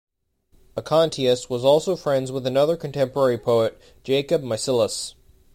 Acontius was also friends with another contemporary poet, Jacob Micyllus.